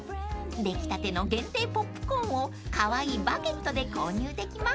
［出来たての限定ポップコーンをカワイイバケットで購入できます］